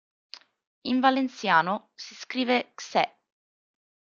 In valenciano si scrive "xe".